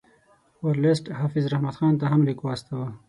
ورلسټ حافظ رحمت خان ته هم لیک واستاوه.